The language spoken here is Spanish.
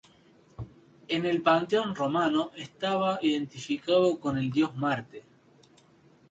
En el panteón romano, estaba identificado con el dios Marte.